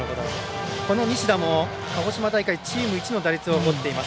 この西田も、鹿児島大会チーム１の打率を誇っています。